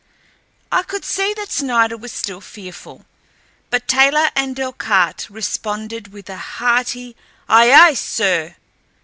I could see that Snider was still fearful, but Taylor and Delcarte responded with a hearty, "Aye, aye, sir!"